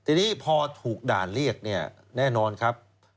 ทีนี้พอถูกด่านเรียกเนี่ยแน่นอนครับ